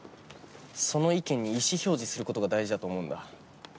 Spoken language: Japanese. その意見に意思表示することが大事だと思うんだ。